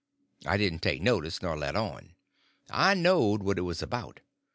I didn't take notice nor let on. I knowed what it was about.